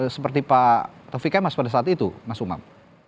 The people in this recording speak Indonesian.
seperti pak taufik kemas pada saat itu mas umam